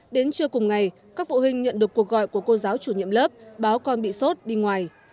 đến trưa cùng ngày các phụ huynh nhận được cuộc gọi của cô giáo chủ nhiệm lớp báo con bị sốt đi ngoài